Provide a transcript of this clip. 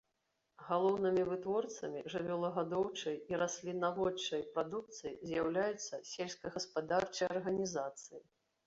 Галоўнымі вытворцамі жывёлагадоўчай і раслінаводчай прадукцыі з'яўляюцца сельскагаспадарчыя арганізацыі.